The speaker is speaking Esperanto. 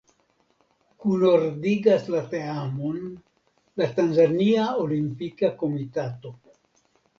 Kunordigas la teamon la Tanzania Olimpika Komitato.